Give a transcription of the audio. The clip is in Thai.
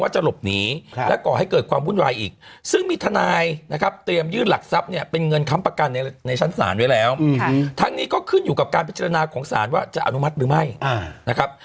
จะอนุมัติหรือไม่นะครับ